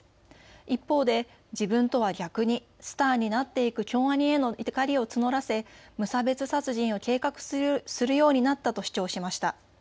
一方で自分とは逆にスターになっていく京アニへの怒りを募らせ無差別殺人を計画するようになったと主張しました。